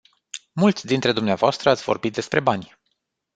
Mulți dintre dvs. ați vorbit despre bani.